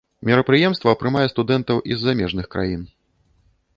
Мерапрыемства прымае студэнтаў і з замежных краін.